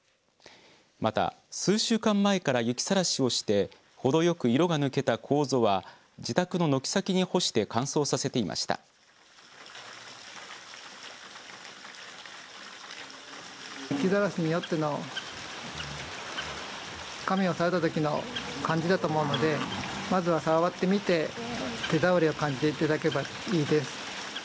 また、数週間前から雪さらしをしてほどよく色が抜けたこうぞは自宅の軒先に干して乾燥させていました。